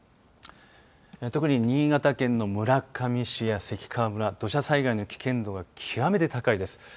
特に新潟県の村上市や関川村土砂災害の危険度が極めて高いです。